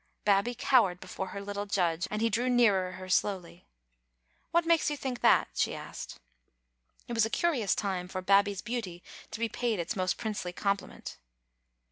Babbie cowered before her little judge, and he drew nearer her slowly. " What makes you think that?" she said. It was a curious time for Babbie's beauty to be paid its most princely compliment.